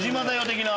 的な。